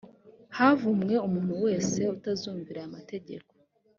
havumwe umuntu wese utazumvira aya mategeko